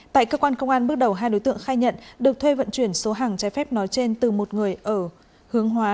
tại cơ quan công an bước đầu hai đối tượng khai nhận được thuê vận chuyển số hàng trái phép nói trên từ một người ở hướng hóa